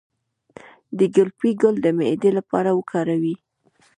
د ګلپي ګل د معدې لپاره وکاروئ